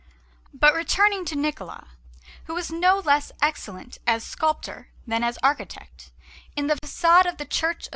But returning to Niccola, who was no less excellent as sculptor than as architect; in the façade of the Church of S.